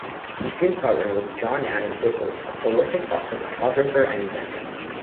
He soon partnered with John Adams Whipple, a prolific Boston photographer and inventor.